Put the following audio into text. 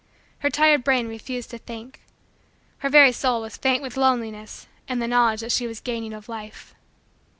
Her tired brain refused to think. Her very soul was faint with loneliness and the knowledge that she was gaining of life.